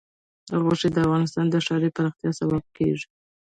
غوښې د افغانستان د ښاري پراختیا سبب کېږي.